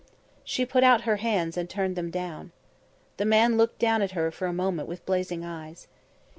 She put out her hands and turned them down. The man looked down at her for a moment with blazing eyes.